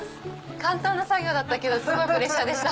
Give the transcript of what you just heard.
簡単な作業だったけどすごいプレッシャーでした。